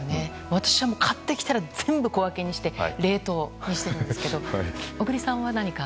私は買ってきたら全部小分けにして冷凍にしていますが小栗さんは何か？